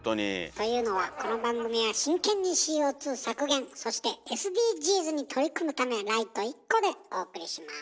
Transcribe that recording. というのはこの番組は真剣にＣＯ削減そしてＳＤＧｓに取り組むためライト１個でお送りします。